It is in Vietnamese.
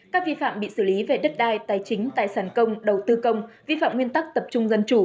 các vi phạm bị xử lý về đất đai tài chính tài sản công đầu tư công vi phạm nguyên tắc tập trung dân chủ